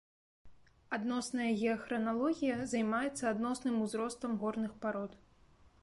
Адносная геахраналогія займаецца адносным узростам горных парод.